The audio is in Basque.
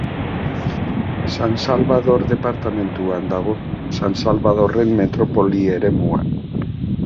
San Salvador departamenduan dago, San Salvadorren metropoli eremuan.